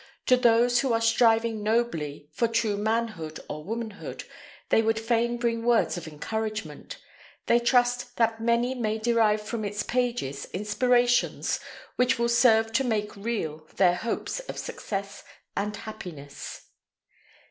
To those who are striving nobly for true manhood or womanhood, they would fain bring words of encouragement. They trust that many may derive from its pages inspirations which will serve to make real their hopes of success and happiness.